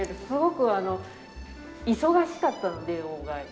すごく忙しかったので外。